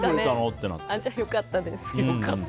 じゃあ良かったです。